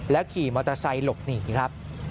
ขี่มอเตอร์ไซค์หลบหนีครับ